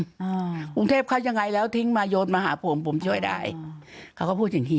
อ่ากรุงเทพเขายังไงแล้วทิ้งมาโยนมาหาผมผมช่วยได้เขาก็พูดอย่างงี้